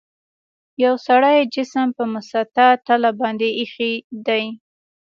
یو سړي جسم په مسطح تله باندې ایښي دي.